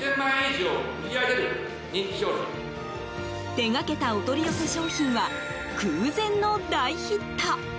手がけたお取り寄せ商品は空前の大ヒット！